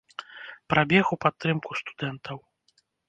Прабег у падтрымку студэнтаў.